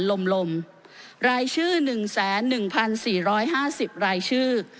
ซึ่งบันดาลโมบารคมเลว่ารายชื่อนึงแสน๑๔๕๐รายชื่อ